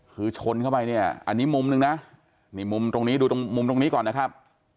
คือชนเข้าไปเนี่ยอันนี้มุมหนึ่งนะนี่มุมตรงนี้ดูตรงมุมตรงนี้ก่อนนะครับ